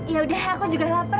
ya udah aku juga lapar